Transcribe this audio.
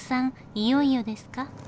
いよいよですか？